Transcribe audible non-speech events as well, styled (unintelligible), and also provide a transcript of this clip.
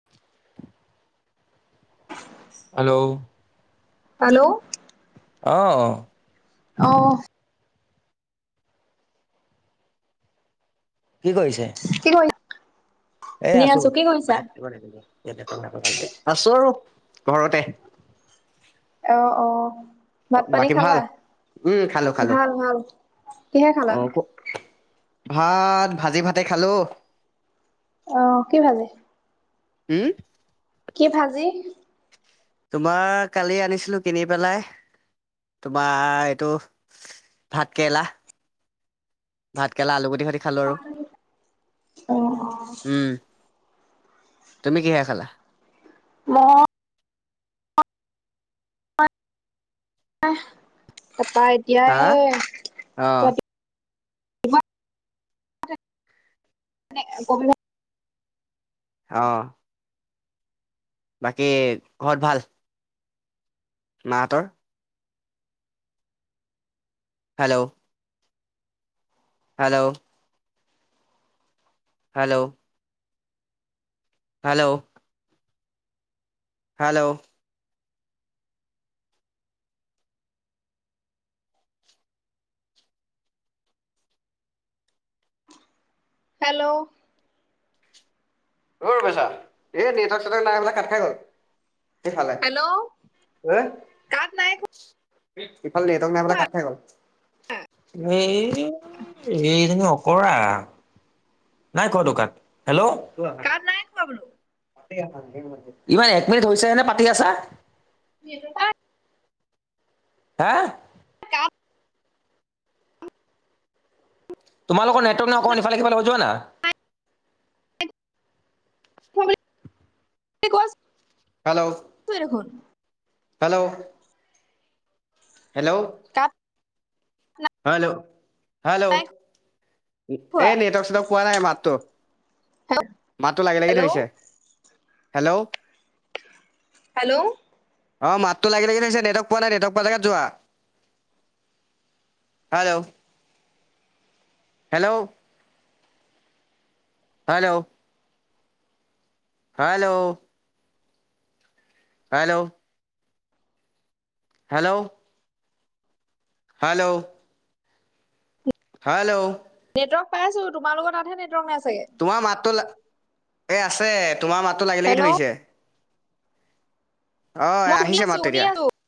(inaudible) Hello! Hello! অঁ। অ'। কি কৰিছে? কি কৰি এ এনেই আছো কি কৰিছা? (unintelligible) আছো আৰু ঘৰতে। অ' অ'। ভাত-পানী বাকী ভাল খালা, উম খালো খালো ভাল ভাল। কিহে অ খালা? ভাত, ভাজি ভাতে খালোঁ। অ' কি ভাঁজি? হুম? কি ভাজি? তোমাৰ কালি আনিছিলো, কিনি পেলায় তোমাৰ এইটো ভাতকেৰেলা। ভাতকেৰেলা, আলুগুটি সৈতে খালোঁ আৰু। অ', অ'। উম! তুমি কিহেৰে খালা? (unintelligible) (unintelligible) হা'? অ'। ৰাতিপুৱা (inaudible) অ'। বাকী ঘ'ত ভাল? মাহঁতৰ? Hello! Hello! Hello! Hello! Hello! Hello! অঁ বাচা এ নেটৱৰ্ক চেটৱৰ্ক নাই বোলে কাত খাই গ'ল। হেই ফালে হেল্ল' হে- কাট নাই খোৱা, ইফালে নেটৱৰ্ক নাই হ'বলা মানে কাট খাই গ'ল এই এইজনী- কৰা। নাই কোৱা দোকান হেল্লৌ। কাট নাই খোৱা বোলো। ইমান এক মিনিট হৈছেহেনে পাতি আছা। (unintelligible) হা- কাপ- তোমালৰ নেটৱৰ্ক নাই অকমান ইফালে -সিফালে হৈ যোৱা না। নাই (unintelligible) হেলৌ! এটোয়ে দেখোন। হেল্লৌ! হেল্লৌ! কাত- হেল্লৌ হেল্লৌ! নাই এ খোৱা। নেটৱৰ্ক চেটৱৰ্ক পোৱা নাই মাতটো। মাতটো লাগি লাগি হেল্ল' ধৰিছে হেল্লৌ! হেল্লৌ! অঁ মাততো লাগি লাগি ধৰিছে নেটৱৰ্ক পোৱা নাই নেটৱৰ্ক পোৱা জেগাত যোৱা। Hello! Hello! Hello! Hello! Hello! Hello! Hello! Hello! Network পাইছোঁ তোমালোকৰ তাতহেত নেৱৰ্ক নাই চাগে। তোমাৰ মাতটো লা এই আছে তোমাৰ মাতটো লাগি লাগি হেল্ল' ধৰিছে। অঁ মই শুনি আহিছে আছো, মাততো শুনি এতিয়া। আছো।